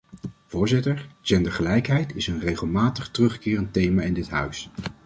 Voorzitter, gendergelijkheid is een regelmatig terugkerend thema in dit huis.